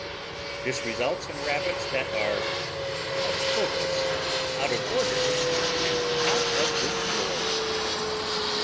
This results in Rabbits that are out of focus, out of order and out of this world.